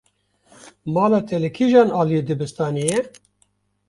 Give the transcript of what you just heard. Mala te li kîjan aliyê dibistanê ye?